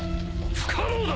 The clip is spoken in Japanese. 不可能だ！